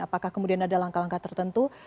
apakah kemudian ada langkah langkah tertentu